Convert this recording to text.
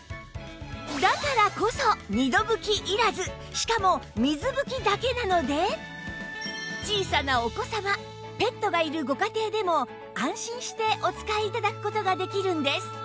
だからこそしかも水拭きだけなので小さなお子様ペットがいるご家庭でも安心してお使い頂く事ができるんです